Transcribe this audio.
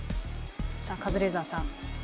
さあカズレーザーさん